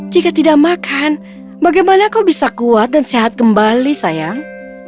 jika tidak makan bagaimana kau bisa kuat dan sehat kembali sayang